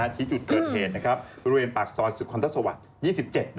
ชี้จุดเกิดเหตุบริเวณปากซอยสุขนทศวรรค์๒๗